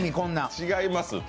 違います、卵。